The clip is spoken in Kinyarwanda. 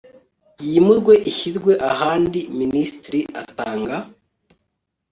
yimurwe ishyirwe ahandi Minisitiri atanga